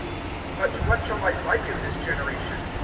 (16)But to what shall I liken this generation?